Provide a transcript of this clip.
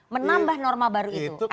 menambah norma baru itu